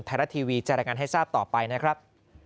ไทยรัฐทีวีจะรายงานให้ทราบต่อไปนะครับ